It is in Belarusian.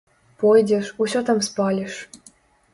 Пойдзеш, усё там спаліш.